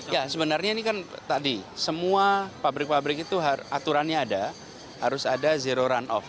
ya sebenarnya ini kan tadi semua pabrik pabrik itu aturannya ada harus ada zero run off